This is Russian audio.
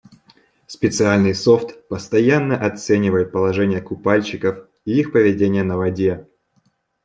Специальный софт постоянно оценивает положение купальщиков и их поведение на воде.